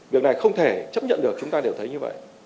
việc này không thể chấp nhận được chúng ta đều thấy như vậy